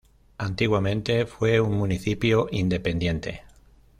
Antiguamente, fue un municipio independiente.